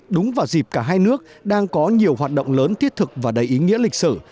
đúng vào dịp cả hai nước đang có nhiều hoạt động lớn thiết thực và đầy ý nghĩa lịch sử